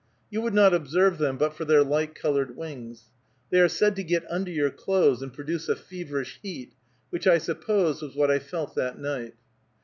You would not observe them but for their light colored wings. They are said to get under your clothes, and produce a feverish heat, which I suppose was what I felt that night.